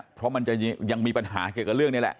เพราะมันจะยังมีปัญหาเกี่ยวกับเรื่องนี้แหละ